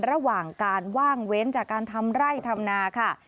ระหว่างการว่างเว้นจากการทำไร่ทำนาค่ะ